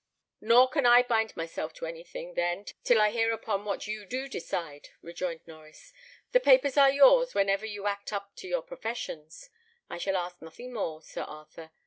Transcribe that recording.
"Nor can I bind myself to anything, then, till I hear upon what you do decide," rejoined Norries. "The papers are yours whenever you act up to your professions. I shall ask nothing more, Sir Arthur.